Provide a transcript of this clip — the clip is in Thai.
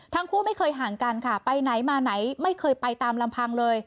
ทั้งคู่ไม่เคยห่างกันค่ะไปไหนมาไหนไม่เคยไปตามลำพังเลย